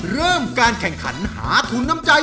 เริ่มการแข่งขันหาทุนน้ำใจ